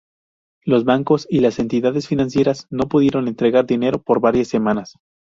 Los bancos y las entidades financieras no pudieron entregar dinero por varias semanas.